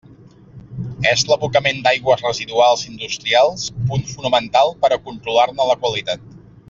És l'abocament d'aigües residuals industrials punt fonamental per a controlar-ne la qualitat.